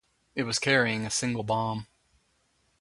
It was carrying a single bomb.